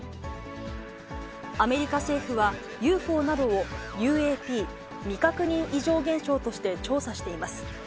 アメリカ政府は、ＵＦＯなどをＵＡＰ・未確認異常現象として調査しています。